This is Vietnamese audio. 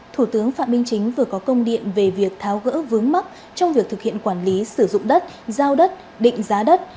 thủ tướng phạm minh chính vừa có công điện về việc tháo gỡ vướng mắt trong việc thực hiện quản lý sử dụng đất giao đất định giá đất